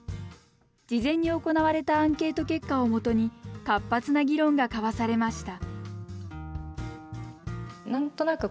事前に行われたアンケート結果をもとに活発な議論が交わされました。